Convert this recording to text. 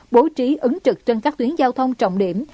bố trí ứng trực trên các tuyến giao thông trọng điểm